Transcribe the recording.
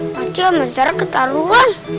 pakcik amat sejarah ketaruhan